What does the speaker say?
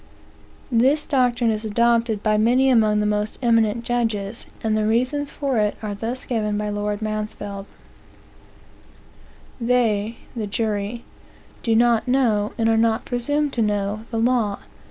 This doctrine is adopted by many among the most eminent judges, and the reasons for it are thus given by Lord Mansfield: "They (the jury) do not know, and are not presumed to know, the law.